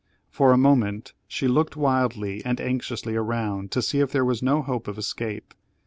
For a moment she looked wildly and anxiously around to see if there was no hope of escape.